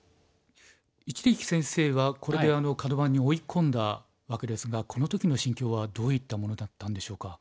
一力先生はこれでカド番に追い込んだわけですがこの時の心境はどういったものだったんでしょうか？